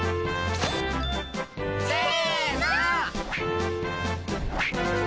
せの。